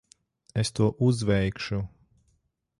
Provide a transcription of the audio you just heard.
Es to uzveikšu.